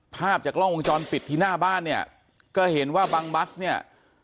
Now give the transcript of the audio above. ภาพจากกล้องวงจรปิดที่หน้าบ้านเนี่ยก็เห็นว่าบังบัสเนี่ย